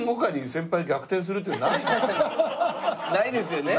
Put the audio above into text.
ないですよね。